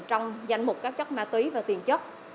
trong danh mục các chất ma túy và tiền chất